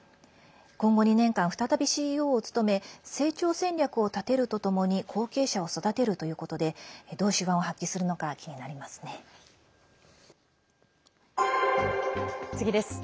今後２年間、再びＣＥＯを務め成長戦略を立てるとともに後継者を育てるということでどう手腕を発揮するのか気になりますね。